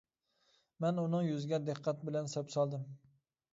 مەن ئۇنىڭ يۈزىگە دىققەت بىلەن سەپسالدىم.